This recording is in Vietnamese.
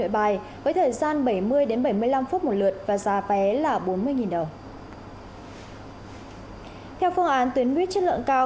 theo phương án tuyến buýt chất lượng cao